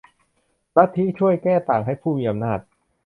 ลัทธิช่วยแก้ต่างให้ผู้มีอำนาจ